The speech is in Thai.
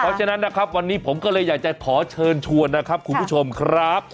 เพราะฉะนั้นนะครับวันนี้ผมก็เลยอยากจะขอเชิญชวนนะครับคุณผู้ชมครับ